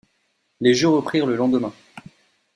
Les Jeux reprirent le lendemain.